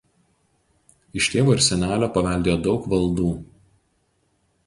Iš tėvo ir senelio paveldėjo daug valdų.